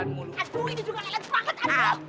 aduh ini juga elet banget